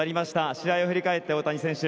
試合を振り返って大谷選手